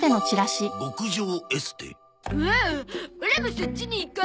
オラもそっちに行こう。